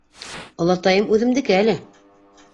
Олатайым үҙемдеке әле.